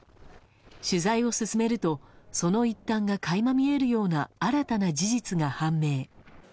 取材を進めるとその一端が垣間見えるような新たな事実が判明。